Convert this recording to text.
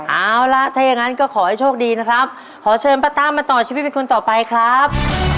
เอาล่ะก็ขอให้โชคดีนะครับขอเชิญพะต้นมันต่อชีวิตเป็นคนต่อไปครับ